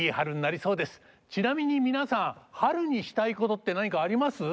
ちなみに皆さん春にしたいことって何かあります？